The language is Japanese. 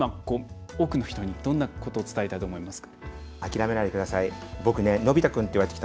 今、多くの人にどんなことを伝えたいと思いますか。